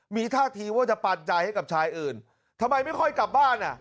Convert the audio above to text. มีท่าทีว่าจะปันใจให้กับชายอื่นทำไมไม่ค่อยกลับบ้านอ่ะ